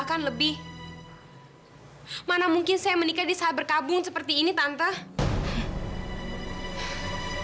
akan lebih mana mungkin saya menikah di saat berkabung seperti ini tante